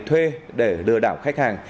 thuê để lừa đảo khách hàng